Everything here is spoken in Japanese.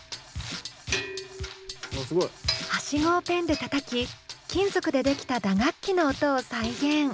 ハシゴをペンでたたき金属で出来た打楽器の音を再現。